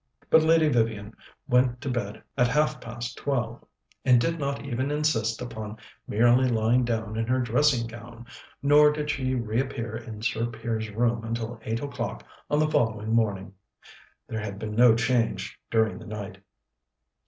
But Lady Vivian went to bed at half past twelve, and did not even insist upon merely lying down in her dressing gown, nor did she reappear in Sir Piers's room until eight o'clock on the following morning. There had been no change during the night.